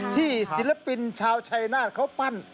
ศิลปินชาวชัยนาธเขาปั้น